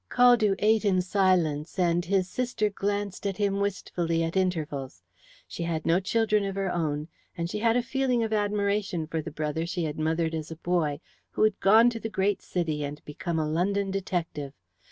Caldew ate in silence, and his sister glanced at him wistfully at intervals. She had no children of her own, and she had a feeling of admiration for the brother she had mothered as a boy, who had gone to the great city and become a London detective.